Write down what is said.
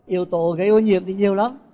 yếu tố gây ô nhiễm thì nhiều lắm